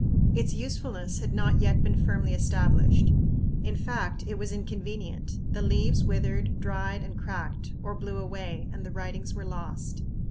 Its usefulness had not yet been firmly established. In fact it was inconvenient; the leaves withered, dried, and cracked, or blew away, and the writings were lost.